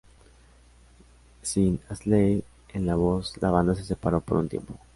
Sin Astley en la voz, la banda se separó por un tiempo.